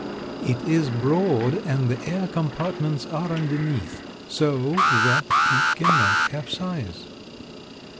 It is broad and the air compartments are underneath, so that it cannot capsize.